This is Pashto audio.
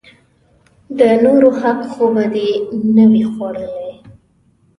د نورو حق خو به دې نه وي خوړلئ!